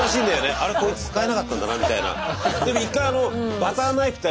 「あれこいつ使えなかったんだな」みたいな。